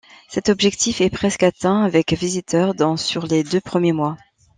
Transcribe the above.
Cet objectif est presque atteint avec visiteurs, dont sur les deux premiers mois.